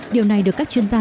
điều này được các chuyên gia